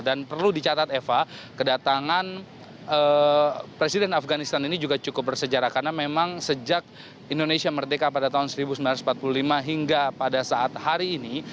dan perlu dicatat eva kedatangan presiden afganistan ini juga cukup bersejarah karena memang sejak indonesia merdeka pada tahun seribu sembilan ratus empat puluh lima hingga pada saat hari ini